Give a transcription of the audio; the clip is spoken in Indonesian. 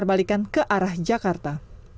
dan putar balikan ke arah jakarta